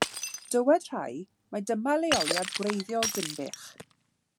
Dywed rhai mai dyma leoliad gwreiddiol Dinbych.